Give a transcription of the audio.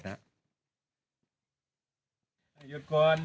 หยุดก่อน